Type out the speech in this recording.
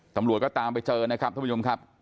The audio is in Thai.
ตำรวจก็ตามไปเจอนะครับท่านผู้ชมครับ